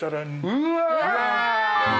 うわ！